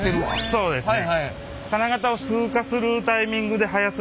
そうですね。